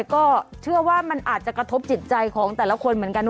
ก็เชื่อว่ามันอาจจะกระทบจิตใจของแต่ละคนเหมือนกัน